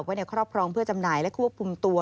ว่าเขาพร้อมเพื่อจำหน่ายและควบคุมตัว